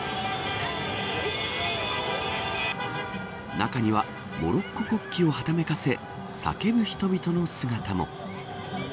中にはモロッコ国旗をはためかせ叫ぶ人々の姿も。